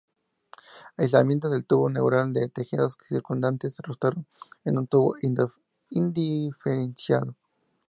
Aislamientos del tubo neural de tejidos circundantes resultaron en un tubo indiferenciado.